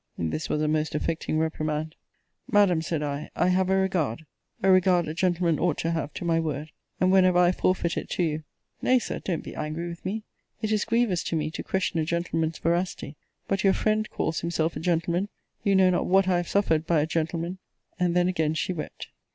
This was a most affecting reprimand! Madam, said I, I have a regard, a regard a gentleman ought to have, to my word; and whenever I forfeit it to you Nay, Sir, don't be angry with me. It is grievous to me to question a gentleman's veracity. But your friend calls himself a gentleman you know not what I have suffered by a gentleman! And then again she wept.